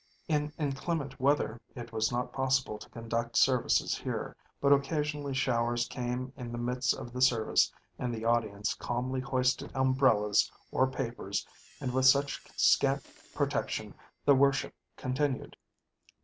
In inclement weather, it was not possible to conduct services here, but occasionally showers came in the midst of the service and the audience calmly hoisted umbrellas or papers and with such scant protection, the worship continued.